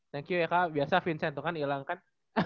thank you ya kak biasa vincent tuh kan ilang kan